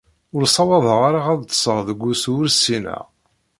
Ur ssawaḍeɣ ara ad ṭṭseɣ deg usu ur ssineɣ.